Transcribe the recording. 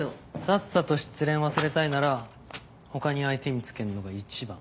さっさと失恋忘れたいなら他に相手見つけんのが一番。